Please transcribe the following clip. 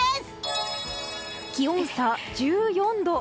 気温差１４度。